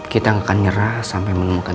kita akan nyerah sampai menemukan